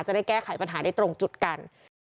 จะได้แก้ไขปัญหาได้ตรงจุดกัน